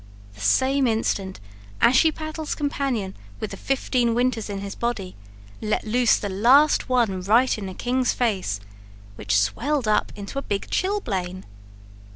The same instant Ashiepattle's companion with the fifteen winters in his body let loose the last one right in the king's face, which swelled up into a big chilblain.